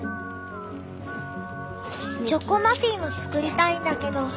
チョコマフィンも作りたいんだけど。